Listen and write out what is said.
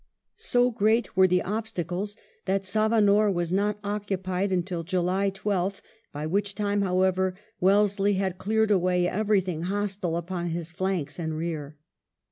So great were the obstacles that Savanore was not occupied until July 12th, by which time, however, Wellesley had cleared away everything hostile upon his flanks and rear.